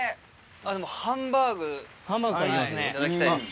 ハンバーグいただきたいです。